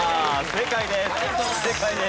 正解です。